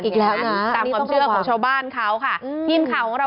ตามความเชื่อของชาวบ้านเขาค่ะ